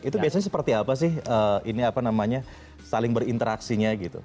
itu biasanya seperti apa sih ini apa namanya saling berinteraksinya gitu